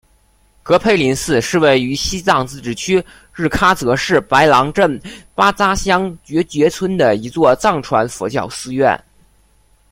格培林寺是位于西藏自治区日喀则市白朗县巴扎乡觉杰村的一座藏传佛教寺院。